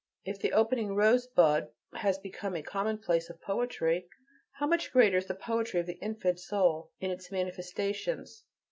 If the opening rosebud has become a commonplace of poetry, how much greater is the poetry of the infant soul in its manifestations?